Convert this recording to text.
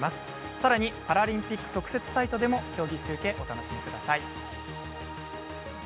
さらにパラリンピック特設サイトでも競技中継をお楽しみください。